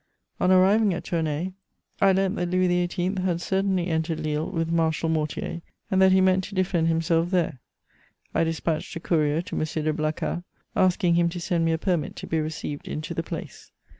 On arriving at Tournay, I learnt that Louis XVIII. had certainly entered Lille with Marshal Mortier, and that he meant to defend himself there. I despatched a courier to M. de Blacas, asking him to send me a permit to be received into the place.